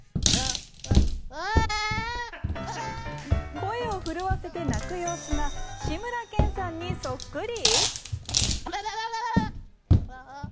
声を震わせて鳴く様子が志村けんさんにそっくり？